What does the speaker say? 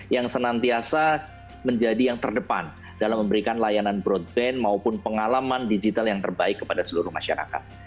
yang senantiasa menjadi yang terdepan dalam memberikan layanan broadband maupun pengalaman digital yang terbaik kepada seluruh masyarakat